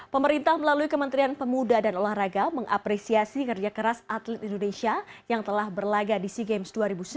pemerintah melalui kementerian pemuda dan olahraga mengapresiasi kerja keras atlet indonesia yang telah berlaga di sea games dua ribu sembilan belas